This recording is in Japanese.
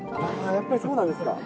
やっぱりそうなんですか。